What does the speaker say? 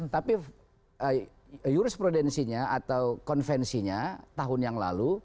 tapi jurisprudensinya atau konvensinya tahun yang lalu